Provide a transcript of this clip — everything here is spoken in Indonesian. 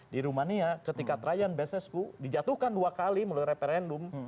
di rumania ketika trian bestku dijatuhkan dua kali melalui referendum